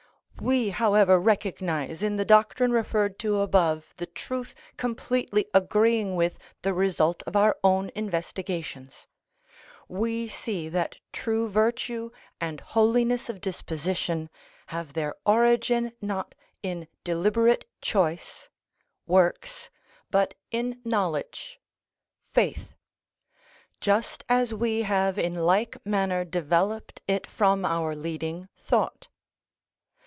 (91) We, however, recognise in the doctrine referred to above the truth completely agreeing with the result of our own investigations. We see that true virtue and holiness of disposition have their origin not in deliberate choice (works), but in knowledge (faith); just as we have in like manner developed it from our leading thought.